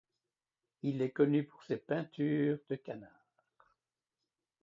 Il est connu pour ses peintures de canards.